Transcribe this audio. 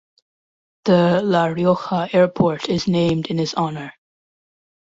The La Rioja Airport is named in his honor.